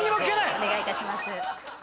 お願いいたします。